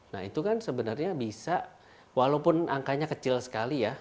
nah itu kan sebenarnya bisa walaupun angkanya kecil sekali ya